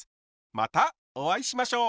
またお会いしましょう！